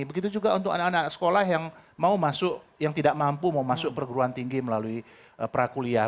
begitu juga untuk anak anak sekolah yang tidak mampu mau masuk perguruan tinggi melalui prakuliah